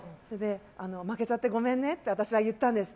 負けちゃってごめんねっと言ったんです。